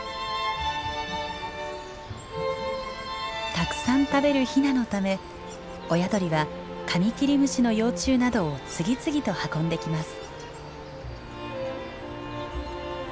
たくさん食べるヒナのため親鳥はカミキリムシの幼虫などを次々と運んできます。